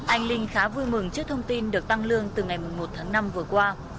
anh linh khá vui mừng trước thông tin được tăng lương từ ngày một tháng năm vừa qua